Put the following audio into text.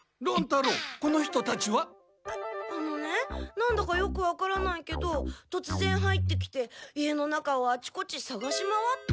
なんだかよくわからないけどとつぜん入ってきて家の中をあちこちさがし回って。